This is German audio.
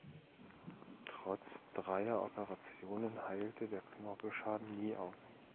Trotz dreier Operationen heilte der Knorpelschaden nie aus.